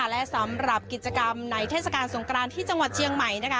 และสำหรับกิจกรรมในเทศกาลสงกรานที่จังหวัดเชียงใหม่นะคะ